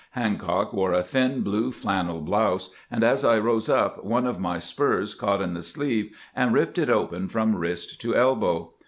Hancock wore a thin blue flannel blouse, and as I rose up one of my spurs caught in the sleeve, and ripped it open from wrist to elbow.